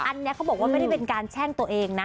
อันนี้เขาบอกว่าไม่ได้เป็นการแช่งตัวเองนะ